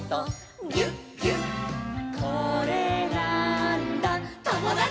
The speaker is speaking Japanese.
「これなーんだ『ともだち！』」